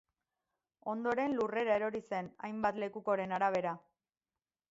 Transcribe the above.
Ondoren, lurrera erori zen, hainbat lekukoren arabera.